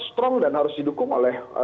strong dan harus didukung oleh